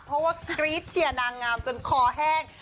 เพราะว่ากรี๊ดเชียร์นางงามจนคอแห้ง